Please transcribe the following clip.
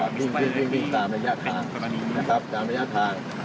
วิ่งวิ่งวิ่งตามระยะทางนะครับตามระยะทาง